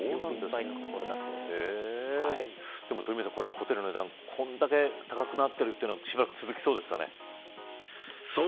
ホテルの値段、これだけ高くなっているのはしばらく続きそうですかね。